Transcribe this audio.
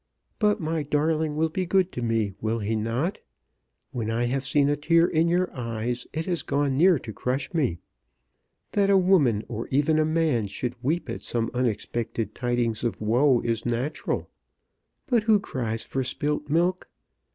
But my darling will be good to me; will he not? When I have seen a tear in your eyes it has gone near to crush me. That a woman, or even a man, should weep at some unexpected tidings of woe is natural. But who cries for spilt milk?